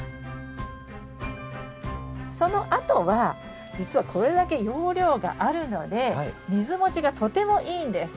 そのあとは実はこれだけ容量があるので水もちがとてもいいんです。